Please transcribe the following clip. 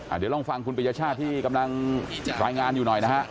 เดี๋ยวลองฟังคุณปริญญชาติที่กำลังรายงานอยู่หน่อยนะฮะ